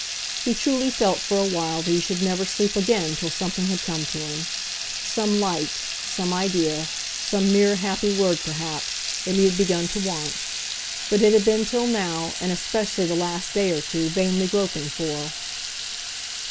He truly felt for a while that he should never sleep again till something had come to him; some light, some idea, some mere happy word perhaps, that he had begun to want, but had been till now, and especially the last day or two, vainly groping for.